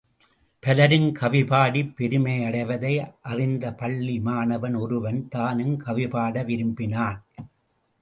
பலரும் கவிபாடிப் பெருமையடைவதை அறிந்த பள்ளி மாணவன் ஒருவன் தானும் கவிபாட விரும்பினான்.